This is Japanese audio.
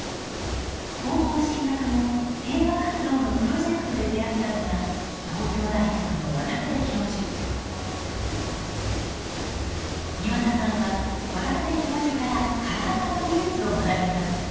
高校進学後平和活動のプロジェクトで出会ったのが東京大学の庭田さんは渡邉教授からカラー化の技術を学びます。